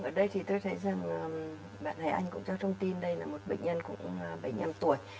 ở đây thì tôi thấy rằng bạn bè anh cũng cho thông tin đây là một bệnh nhân cũng bảy mươi năm tuổi